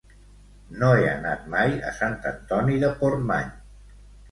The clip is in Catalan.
No he anat mai a Sant Antoni de Portmany.